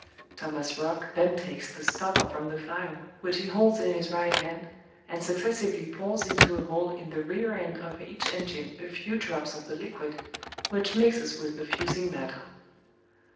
Thomas Roch then takes the stopper from the phial which he holds in his right hand, and successively pours into a hole in the rear end of each engine a few drops of the liquid, which mixes with the fusing matter.